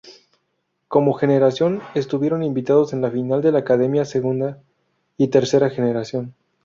Como generación estuvieron invitados en la final de La Academia segunda, y tercera generación.